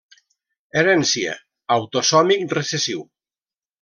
Herència: autosòmic recessiu.